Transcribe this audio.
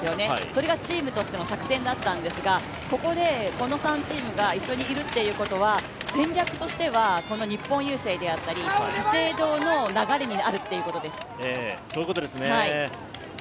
それがチームとしての作戦だったんですが、ここでこの３チームが一緒にいるということは戦略としては日本郵政や資生堂の流れにあるということです。